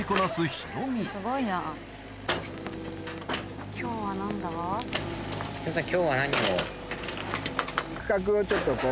ヒロミさん。